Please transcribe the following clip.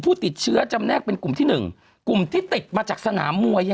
เราธลุ๕๐๐เป็นพิเศษร้อย